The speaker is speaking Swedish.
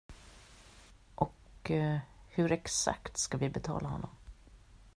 Och hur exakt ska vi betala honom?